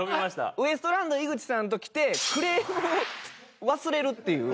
ウエストランド井口さんと来てクレームを忘れるっていう。